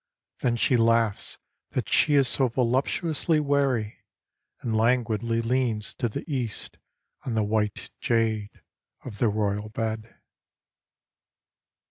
Then she laughs that she is so voluptuously weary, and languidly leans to the East on the white jade of the royal bed.